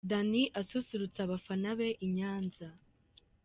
Danny asusurutsa abafana be i Nyanza.